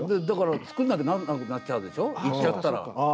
だから作んなきゃなんなくなっちゃうでしょ言っちゃったら。